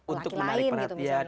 untuk menarik perhatian